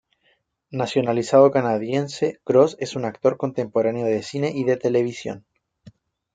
Nacionalizado canadiense, Cross es un actor contemporáneo de cine y de televisión.